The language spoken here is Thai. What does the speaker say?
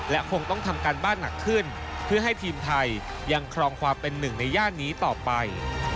และคงต้องทำการบ้านหนักขึ้นเพื่อให้ทีมไทยยังครองความเป็นหนึ่งในย่านนี้ต่อไป